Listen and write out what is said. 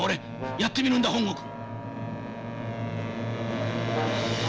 やってみるんだ本郷君。